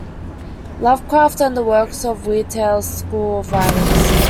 Lovecraft and the works of the Weird Tales school of writers.